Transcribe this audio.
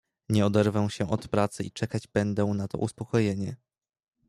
"Nie oderwę się od pracy i czekać będę na to uspokojenie."